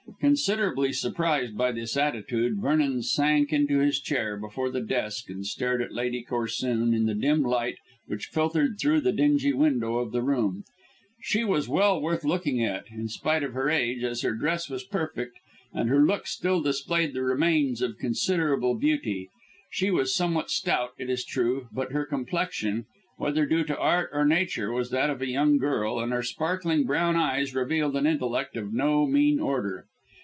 Considerably surprised by this attitude, Vernon sank into his chair before the desk and stared at Lady Corsoon in the dim light which filtered through the dingy window of the room. She was well worth looking at, in spite of her age, as her dress was perfect and her looks still displayed the remains of considerable beauty. She was somewhat stout, it is true, but her complexion whether due to art or nature was that of a young girl, and her sparkling brown eyes revealed an intellect of no mean order.